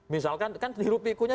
misalkan kan hirup pikunya